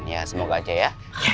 ya semoga aja ya